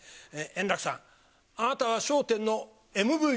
円楽さん、あなたは笑点のＭＶＰ。